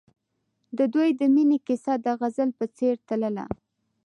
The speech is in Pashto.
د دوی د مینې کیسه د غزل په څېر تلله.